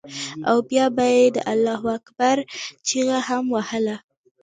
او بيا به یې د الله اکبر چیغه هم وهله.